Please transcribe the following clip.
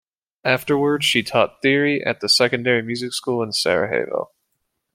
Afterwards, she taught theory at the secondary music school in Sarajevo.